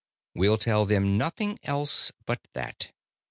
We'll tell them nothing else but that.